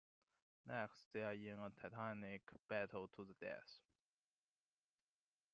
Next, they're in a titanic battle to the death.